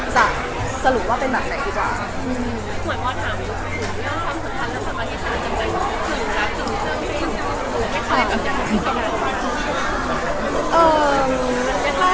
สรุปว่าเป็นแบบไหนดีกว่า